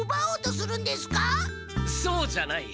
そうじゃない。